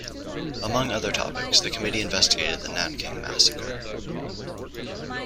Among other topics, the committee investigated the Nanking Massacre.